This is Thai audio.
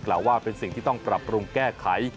ว่าเป็นสิ่งที่ต้องปรับปรุงแก้ไข